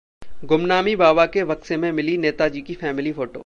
गुमनामी बाबा के बक्से में मिली नेताजी की फैमिली फोटो